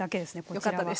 こちらは。